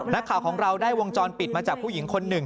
นักข่าวของเราได้วงจรปิดมาจากผู้หญิงคนหนึ่ง